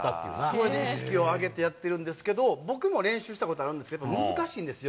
それで意識を上げてやってるんですけど、僕も練習したことあるんですけど、やっぱ難しいんですよ。